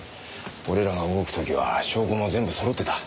俺らが動く時は証拠も全部揃ってた。